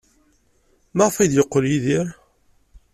Maɣef ay d-yeqqel Yidir?